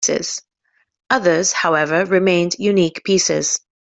Others, however, remained unique pieces.